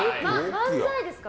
漫才ですか？